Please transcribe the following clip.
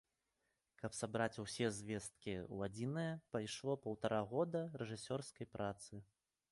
Каб сабраць усе звесткі ў адзінае пайшло паўтара года рэжысёрскай працы.